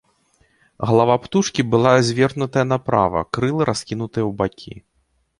Галава птушкі была звернутая направа, крылы раскінутыя ў бакі.